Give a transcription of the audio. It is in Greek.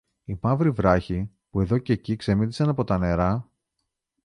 οι μαύροι βράχοι, που εδώ κι εκεί ξεμύτιζαν από τα νερά